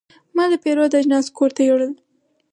ما د پیرود اجناس کور ته یوړل.